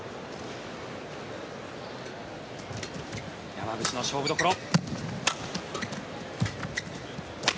山口の勝負どころ。